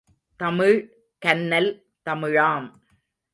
தமிழ் கன்னல் தமிழாம்.